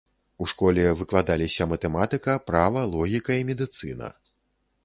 У школе выкладаліся матэматыка, права, логіка і медыцына.